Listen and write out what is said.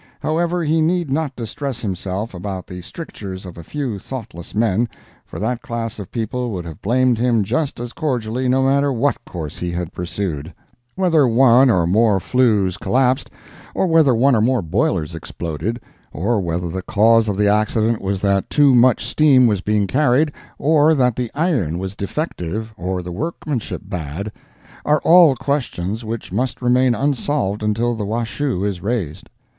However, he need not distress himself about the strictures of a few thoughtless men, for that class of people would have blamed him just as cordially no matter what course he had pursued. Whether one or more flues collapsed, or whether one or more boilers exploded, or whether the cause of the accident was that too much steam was being carried, or that the iron was defective or the workmanship bad, are all questions which must remain unsolved until the Washoe is raised.